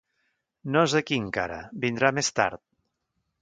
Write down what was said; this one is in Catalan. No és aquí, encara: vindrà més tard.